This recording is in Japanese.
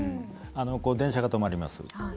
電車が止まります。